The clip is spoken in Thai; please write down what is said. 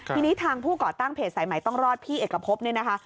ทีนี้ทางผู้ก่อตั้งเพจสายใหม่ต้องรอดพี่เอกพบเนี่ยนะคะ